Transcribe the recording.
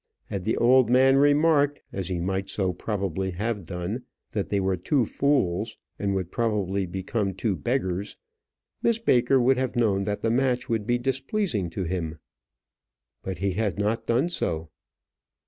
Had the old man remarked, as he might so probably have done, that they were two fools, and would probably become two beggars, Miss Baker would have known that the match would be displeasing to him. But he had not done so.